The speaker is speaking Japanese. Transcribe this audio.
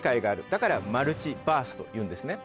だからマルチバースというんですね。